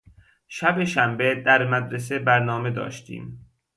شب شنبه در مدرسه برنامه داشتیم.